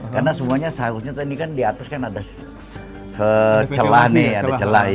karena semuanya seharusnya ini kan di atas ada celah